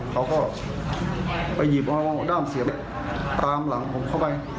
เขาก็ไปหยิบเอาด้ามเสียบตามหลังผมเข้าไป